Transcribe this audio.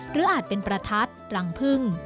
อาจเป็นประทัดรังพึ่ง